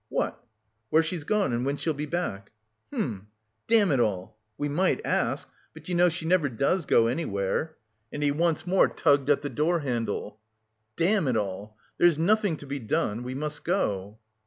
"What?" "Where she's gone and when she'll be back." "Hm.... Damn it all!... We might ask.... But you know she never does go anywhere." And he once more tugged at the door handle. "Damn it all. There's nothing to be done, we must go!"